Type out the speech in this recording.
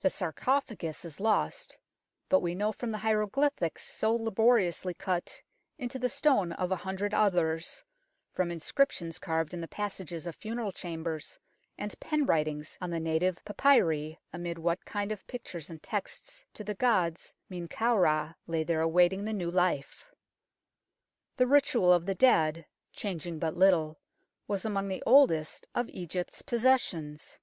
The sarcophagus is lost, but we know from the hieroglyphics so laboriously cut into the stone of a hundred others, from inscriptions carved in the passages of funeral chambers and pen writings on the native papyri, amid what kind of pictures and texts to the gods Men kau Ra lay there awaiting the new life. The ritual of the dead, changing but little, was among the oldest of Egypt's possessions.